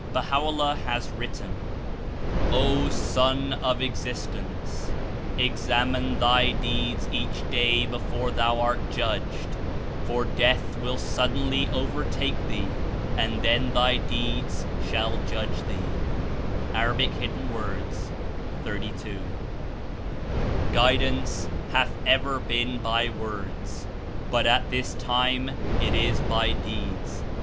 Baha'o'llah has written : ''O Son of Existence! Examine thy deeds each 143 day before tJioii art jiid^rcd, for death ziill suddenly overtake thee, and then lh\ deeds shall jud^e thee J* (A. 32.) "Guidance hath ever been by zvords, but at this time it is by deeds.